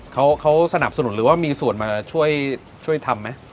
เขาสนับสนุนหรือว่ามีส่วนมาช่วยทำไหม